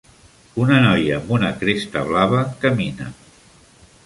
Una noia amb una cresta blava camina.